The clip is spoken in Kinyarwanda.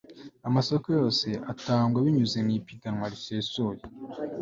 Amasoko yose atangwa binyuze mu ipiganwa risesuye